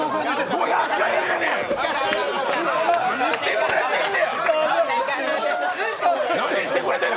５００回やねん！